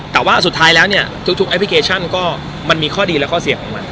แต่ว่าสุดท้ายแล้วเนี่ยทุกแอปพลิเคชันก็มันมีข้อดีและข้อเสี่ยงของมัน